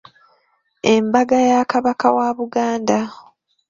Embaga ya Kabaka wa Buganda.